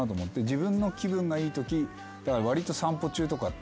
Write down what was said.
自分の気分がいいときわりと散歩中とかって気分